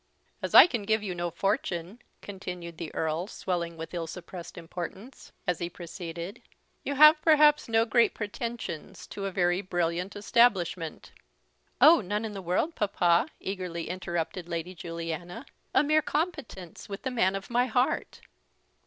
"As I can give you no fortune," continued the Earl, swelling with ill suppressed importance, as he proceeded, "you have perhaps no great pretensions to a very brilliant establishment." "Oh! none in the world, papa," eagerly interrupted Lady Juliana; "a mere competence with the man of my heart."